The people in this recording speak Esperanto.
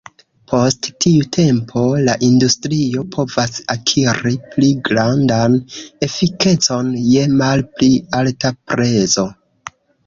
Post tiu tempo, la industrio provas akiri pli grandan efikecon je malpli alta prezo.